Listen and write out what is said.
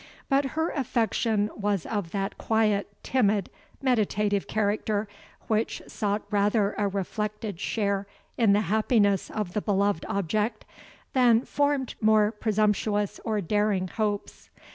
But her affection was of that quiet, timid, meditative character, which sought rather a reflected share in the happiness of the beloved object, than formed more presumptuous or daring hopes.